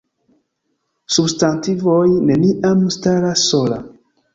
Substantivoj neniam staras sola.